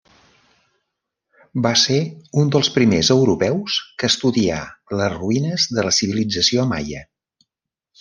Va ser un dels primers europeus que estudià les ruïnes de la civilització maia.